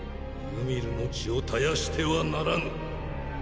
ユミルの血を絶やしてはならぬ。